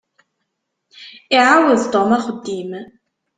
Iɛawed Tom axeddim.